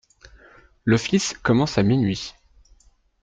L'office commence à minuit.